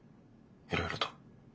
いろいろと。